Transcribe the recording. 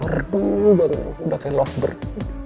merdu banget udah kayak lovebird